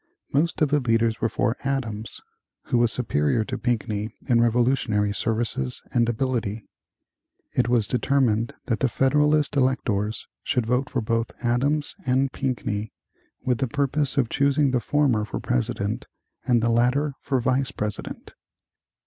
Most of the leaders were for Adams, who was superior to Pinckney in Revolutionary services and ability. It was determined that the Federalist electors should vote for both Adams and Pinckney, with the purpose of choosing the former for President and the latter for Vice President.